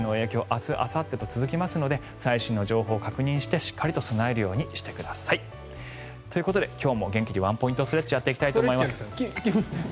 明日、あさってと続く予想なので最新の情報を確認してしっかりと備えるようにしてください。ということで今日も元気にワンポイントストレッチをやっていきます。